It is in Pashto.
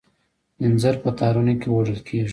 انځر په تارونو کې اوډل کیږي.